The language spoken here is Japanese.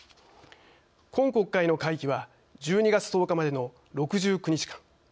今国会の会期は１２月１０日までの６９日間。